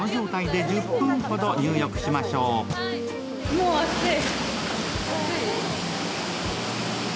もう暑い。